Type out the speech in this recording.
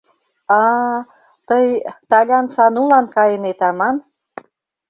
А-а, тый Талян Санулан кайынет аман!